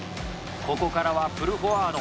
ここからは「プルフォワード」。